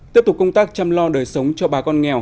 tiếp tục công tác chăm lo đời sống cho bà con nghèo